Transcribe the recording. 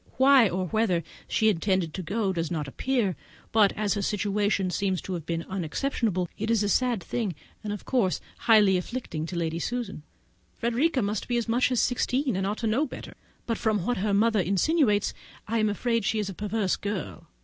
Why, or whither she intended to go, does not appear; but, as her situation seems to have been unexceptionable, it is a sad thing, and of course highly distressing to Lady Susan. Frederica must be as much as sixteen, and ought to know better; but from what her mother insinuates, I am afraid she is a perverse girl.